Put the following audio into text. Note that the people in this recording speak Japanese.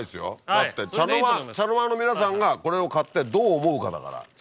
だって茶の間の皆さんがこれを買ってどう思うかだから。